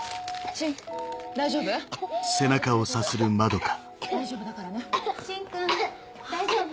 芯君大丈夫？